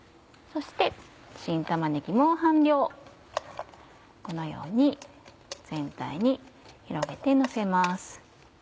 そして新玉ねぎも半量このように全体に広げてのせます。